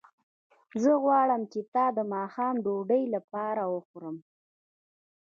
زه غواړم چې تا د ماښام ډوډۍ لپاره وخورم